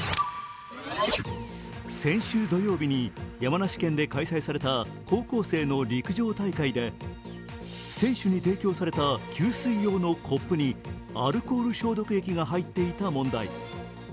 先週土曜日に山梨県で開催された高校生の陸上大会で選手に提供された給水用のコップにアルコール消毒液が入っていた問題。